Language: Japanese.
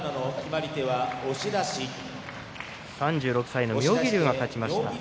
３６歳の妙義龍が勝ちました。